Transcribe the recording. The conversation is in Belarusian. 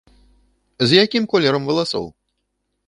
З якім колерам валасоў?